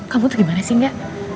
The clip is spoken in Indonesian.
kamu tuh gimana sih enggak